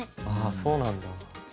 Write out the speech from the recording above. ああそうなんだ。